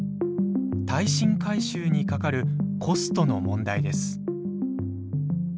耐震改修にかかるコストの問題です。